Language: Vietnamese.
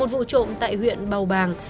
một vụ trộm tại huyện bào bàng